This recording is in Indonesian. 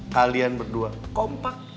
kalian berdua kompak